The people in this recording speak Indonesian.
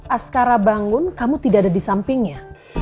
askarabangun kamu tidak ada di sampingnya